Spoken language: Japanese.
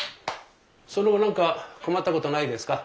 その後何か困ったことはないですか？